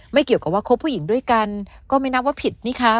เกี่ยวกับว่าคบผู้หญิงด้วยกันก็ไม่นับว่าผิดนี่คะ